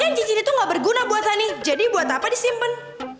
tapi cincin itu ga berguna buat honey jadi buat apa disimpen